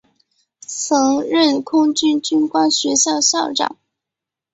曾任空军军官学校校长。